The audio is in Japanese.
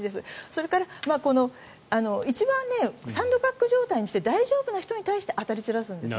それから、一番サンドバッグ状態にして大丈夫な人に対して当たり散らすんです。